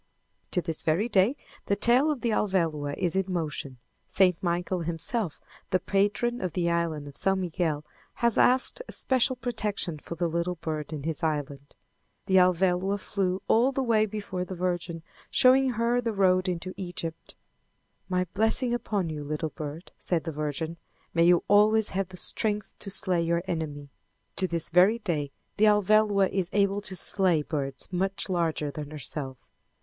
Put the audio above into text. To this very day the tail of the Alvéloa is in motion. St. Michael, himself, the patron of the island of S. Miguel, has asked a special protection for the little bird in his island. The Alvéloa flew all the way before the Virgin, showing her the road into Egypt. "My blessing upon you, little bird," said the Virgin. "May you always have the strength to slay your enemy." To this very day the Alvéloa is able to slay birds much larger than herself.